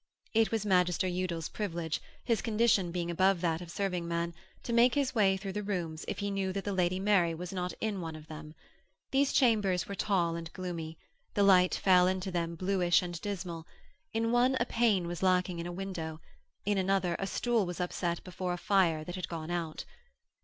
It was Magister Udal's privilege, his condition being above that of serving man, to make his way through the rooms if he knew that the Lady Mary was not in one of them. These chambers were tall and gloomy; the light fell into them bluish and dismal; in one a pane was lacking in a window; in another a stool was upset before a fire that had gone out.